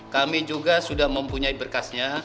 kami juga sudah mempunyai berkasnya